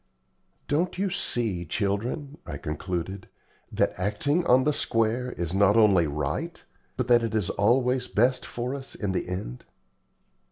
"Don't you see, children," I concluded, "that acting on the square is not only right, but that it is always best for us in the end?"